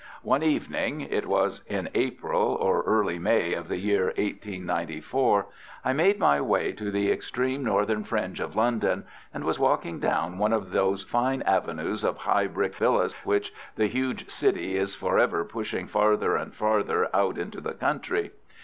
One evening—it was in April or early May of the year 1894—I made my way to the extreme northern fringe of London, and was walking down one of those fine avenues of high brick villas which the huge city is for ever pushing farther and farther out into the country.